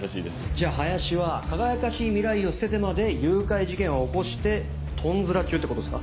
じゃあ林は輝かしい未来を捨ててまで誘拐事件を起こしてトンズラ中ってことっすか？